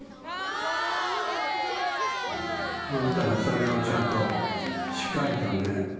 あなたがそれをちゃんとしっかりとね